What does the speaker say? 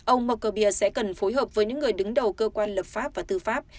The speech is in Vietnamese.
ông markerbia sẽ cần phối hợp với những người đứng đầu cơ quan lập pháp và tư pháp